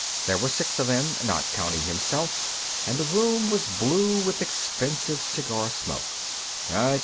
There were six of them, not counting himself, and the room was blue with expensive cigar smoke.